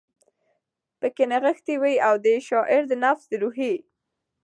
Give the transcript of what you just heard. پکښې نغښتی وی، او د شاعر د نفس د روحي